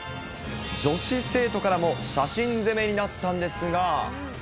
女子生徒からも写真攻めになったんですが。